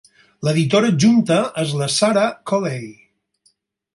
L'editora adjunta és la Sarah Coley.